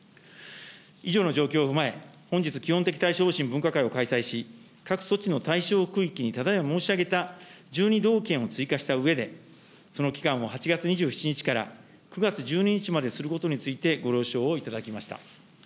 以上の状況を踏まえ、本日、基本的対処方針分科会を開催し、各措置の対象区域に、ただいま申し上げた１２道県を追加したうえで、その期間を８月２７日から９月１２日までとすることについて、ご了承をいただきました。